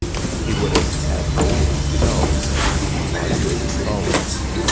He would have had gold himself; more lively and solid.